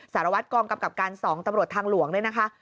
สารวัฒน์กองกับการ๒ตำรวจทางหลวงด้วยนะคะ